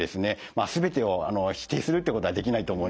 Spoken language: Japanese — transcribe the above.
全てを否定するっていうことはできないと思うんです。